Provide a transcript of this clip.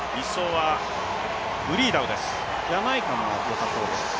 ジャマイカもよさそうです。